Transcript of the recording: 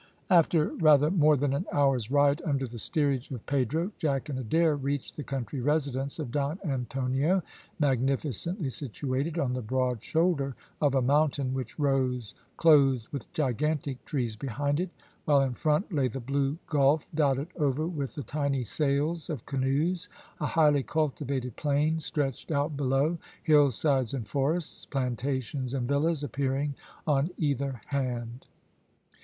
After rather more than an hour's ride under the steerage of Pedro, Jack and Adair reached the country residence of Don Antonio, magnificently situated on the broad shoulder of a mountain which rose clothed with gigantic trees behind it, while in front lay the blue gulf dotted over with the tiny sails of canoes a highly cultivated plain stretched out below hill sides and forests, plantations and villas appearing on either hand.